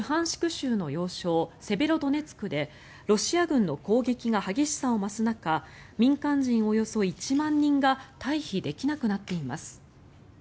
州の要衝セベロドネツクでロシア軍の攻撃が激しさを増す中民間人およそ１万人が退避できなくなっています。